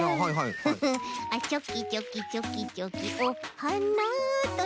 フフあっチョキチョキチョキチョキおはなっとね。